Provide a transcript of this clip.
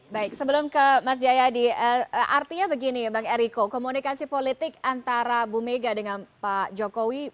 baik sebelum ke mas jayadi artinya begini bang eriko komunikasi politik antara bu mega dengan pak jokowi